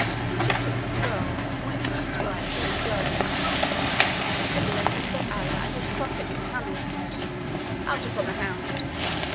Richard took a scroll, in which were inscribed these words: The blessing of Allah and his Prophet Mohammed ["Out upon the hound!"